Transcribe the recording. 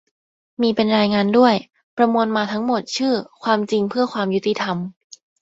มีเป็นรายงานด้วย ประมวลมาทั้งหมดชื่อ "ความจริงเพื่อความยุติธรรม"